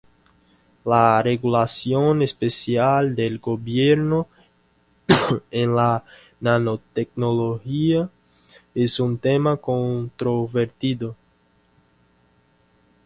La regulación especial del gobierno en la nanotecnología es un tema controvertido.